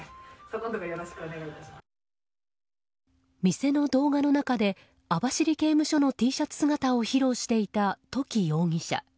店の動画の中で網走刑務所のＴシャツ姿を披露していた土岐容疑者。